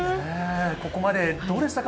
ここまでどうでしたか？